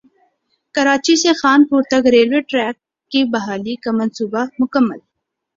کراچی سے خانپور تک railway track کی بحالی کا منصوبہ مکمل